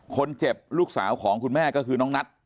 คนเจ็บลูกสาวของคุณแม่ก็คือน้องนัท